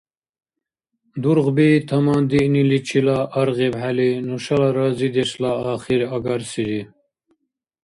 Дургъби тамандиъниличила аргъибхӀели нушала разидешла ахир агарсири.